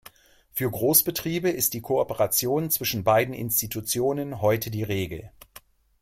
Für Großbetriebe ist die Kooperation zwischen beiden Institutionen heute die Regel.